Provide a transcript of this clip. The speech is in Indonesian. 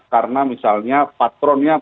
karena misalnya patronnya